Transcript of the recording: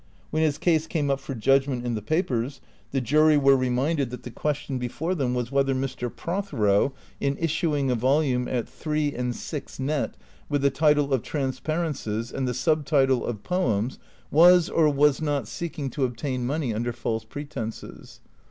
"When his case came up for judgment in the papers, the jury were reminded that the question before them was whether Mr. Prothero, in issuing a volume, at three and six net, with the title of " Transparences," and the sub title of " Poems," was or was not seeking to obtain money under false pretenses.